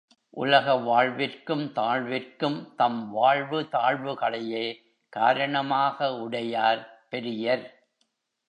உலக வாழ்விற்கும், தாழ்விற்கும் தம் வாழ்வு தாழ்வுகளையே காரணமாக உடையார் பெரியர்.